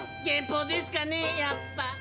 減俸ですかねやっぱ？